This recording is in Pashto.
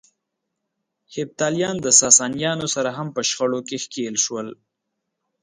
هېپتاليان د ساسانيانو سره هم په شخړه کې ښکېل شول.